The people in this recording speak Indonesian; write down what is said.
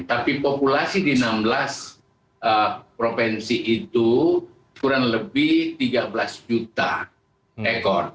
tapi populasi di enam belas provinsi itu kurang lebih tiga belas juta ekor